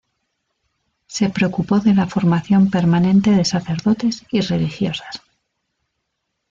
Se preocupó de la formación permanente de sacerdotes y religiosas.